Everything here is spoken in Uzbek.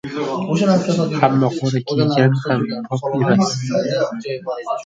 • Hamma qora kiygan ham pop emas.